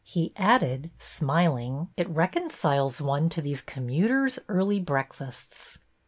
He added, smiling. It reconciles one to these commuter's early breakfasts."